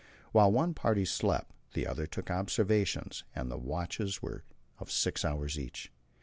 While one party slept, the other took the observations, and the watches were of six hours each.